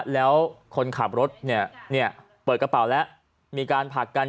แล้วคนขับรถเนี่ยเปิดกระเป๋าแล้วมีการผลักกัน